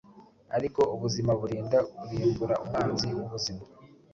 Ariko ubuzima burinda, burimbura umwanzi wubuzima,